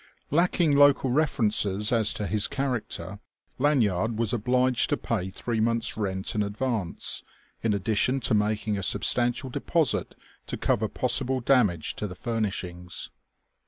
Lacking local references as to his character, Lanyard was obliged to pay three months' rent in advance in addition to making a substantial deposit to cover possible damage to the furnishings.